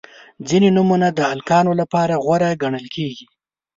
• ځینې نومونه د هلکانو لپاره غوره ګڼل کیږي.